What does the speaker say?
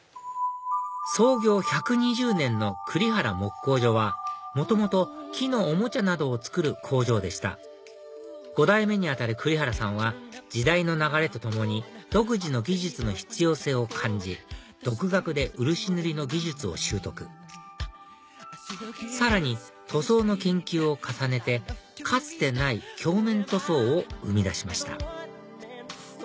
創業１２０年の栗原木工所は元々木のおもちゃなどを作る工場でした５代目に当たる栗原さんは時代の流れとともに独自の技術の必要性を感じ独学で漆塗りの技術を習得さらに塗装の研究を重ねてかつてない鏡面塗装を生み出しました